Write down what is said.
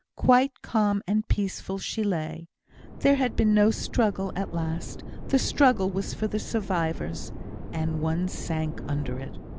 Quite calm and peaceful she lay; there had been no struggle at last; the struggle was for the survivors, and one sank under it.